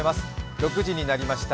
６時になりました。